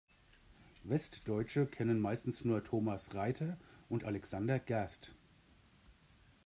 Westdeutsche kennen meistens nur Thomas Reiter und Alexander Gerst.